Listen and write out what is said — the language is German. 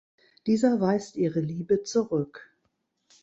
Dieser weist ihre Liebe zurück.